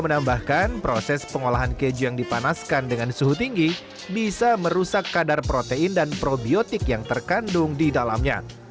menambahkan proses pengolahan keju yang dipanaskan dengan suhu tinggi bisa merusak kadar protein dan probiotik yang terkandung di dalamnya